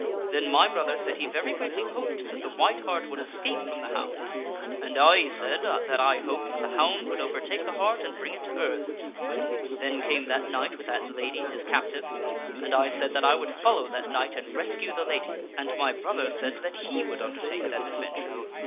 Then my brother said he very greatly hoped that the white hart would escape from the hound, and I said that I hoped that the hound would overtake the hart and bring it to earth. Then came that knight with that lady, his captive, and I said that I would follow that knight and rescue the lady, and my brother said that he would undertake that adventure.